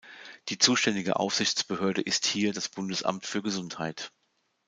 Die zuständige Aufsichtsbehörde ist hier das Bundesamt für Gesundheit.